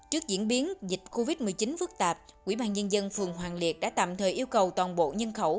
trước diễn biến dịch covid một mươi chín phức tạp quỹ ban nhân dân phường hoàng liệt đã tạm thời yêu cầu toàn bộ nhân khẩu